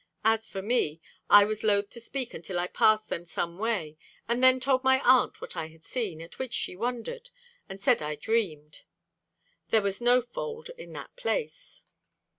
As for me, I was loth to speak until I passed them some way, and then told my aunt what I had seen, at which she wondered, and said I dreamed.... There was no fold in that place.